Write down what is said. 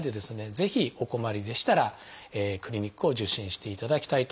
ぜひお困りでしたらクリニックを受診していただきたいと思います。